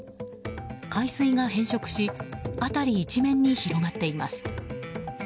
海水が変色し辺り一面に広がっています。